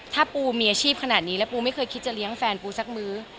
ถ้าปูมีอาชีพขนาดนี้แล้วปูไม่เคยคิดจะเลี้ยงแฟนปูสักมื้อ